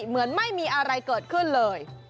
เหมือนไม่มีอะไรเกิดขึ้นเลย